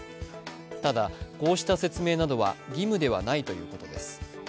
ただ、こうした説明などは義務ではないということです。